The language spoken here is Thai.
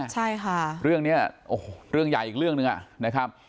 ใช่ค่ะเรื่องนี้โอ้โหเรื่องใหญ่อีกเรื่องหนึ่งอ่ะนะครับ